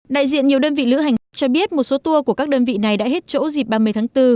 đại diện nhiều đơn vị lữ hành khách cho biết một số tour của các đơn vị này đã hết chỗ dịp ba mươi tháng bốn